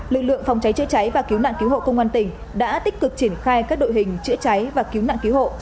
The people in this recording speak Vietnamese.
lực lượng phòng cháy chữa cháy và cứu nạn cứu hộ công an tỉnh đã tích cực triển khai các đội hình chữa cháy và cứu nạn cứu hộ